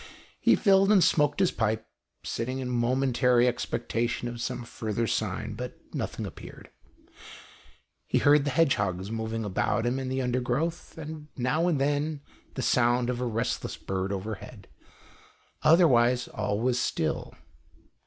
He filled and smoked his pipe, sitting in momentary expecta tion of some further sign, but nothing appeared. He heard the hedgehogs moving about him in the undergrowth, and now and then the sound of a restless bird overhead, otherwise all was still.